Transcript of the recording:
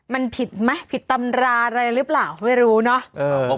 มันผิดไหมผิดตำราอะไรหรือเปล่าไม่รู้เนาะ